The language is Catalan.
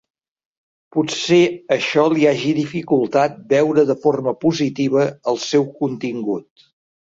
Potser això li hagi dificultat veure de forma positiva el seu contingut.